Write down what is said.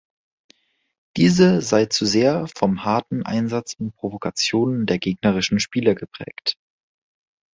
Diese sei zu sehr von hartem Einsatz und Provokationen der gegnerischen Spieler geprägt.